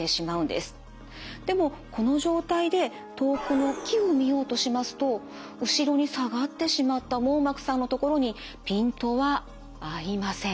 でもこの状態で遠くの木を見ようとしますと後ろに下がってしまった網膜さんのところにピントは合いません。